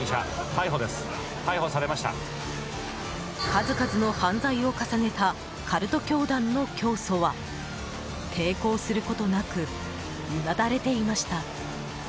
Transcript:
数々の犯罪を重ねたカルト教団の教祖は抵抗することなくうなだれていました。